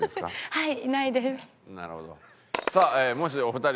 はい。